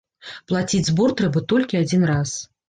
Плаціць збор трэба толькі адзін раз.